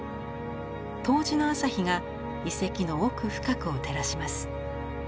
冬至の朝日が遺跡の奥深くを照らします。